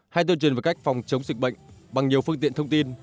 hay tuyên truyền về cách phòng chống dịch bệnh bằng nhiều phương tiện thông tin